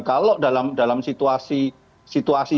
kalau dalam situasi